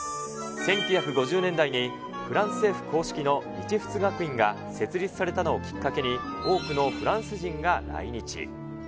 １９５０年代にフランス政府公式の日仏学院が設立されたのをきっかけに、多くのフランス人が来日。